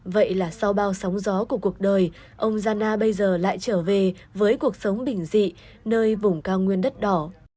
vậy là sau bao sóng gió của cuộc đời ông zhana bây giờ lại trở về với cuộc sống bình dị nơi vùng cao nguyên đất đỏ